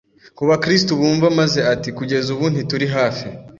ku bakristu bumva maze ati Kugeza ubu ntituri hafi